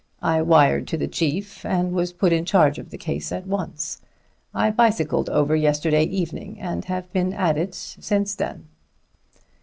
I wired to the Chief, and was put in charge of the case at once. I bicycled over yesterday evening, and have been at it since then."